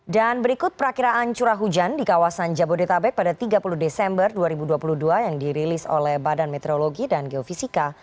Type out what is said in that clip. dan berikut perakiraan curah hujan di kawasan jabodetabek pada tiga puluh desember dua ribu dua puluh dua yang dirilis oleh badan meteorologi dan geofisika